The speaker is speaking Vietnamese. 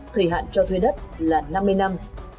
thời hạn cho thuê đất là năm mươi năm